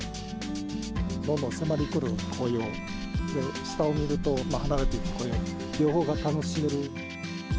どんどん迫りくる紅葉、下を見ると離れていく紅葉、両方が楽しめる。